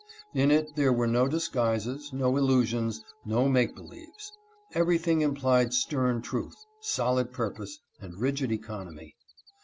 In it there were no disguises, no illusions, no make believes. Every thing implied stern truth, solid purpose, and rigid economy.